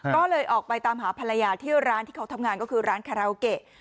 ก็เลยออกไปตามหาภรรยาที่ร้านที่เขาทำงานก็คือร้านคาราโอเกะ